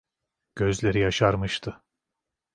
Gözleri yaşarmıştı.